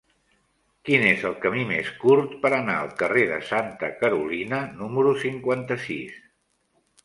Quin és el camí més curt per anar al carrer de Santa Carolina número cinquanta-sis?